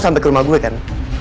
sampai ke rumah gue kan